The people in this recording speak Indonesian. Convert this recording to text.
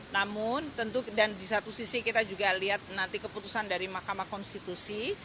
namun tentu dan di satu sisi kita juga lihat nanti keputusan dari mahkamah konstitusi